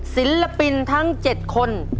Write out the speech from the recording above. ศิลปินทั้ง๗คน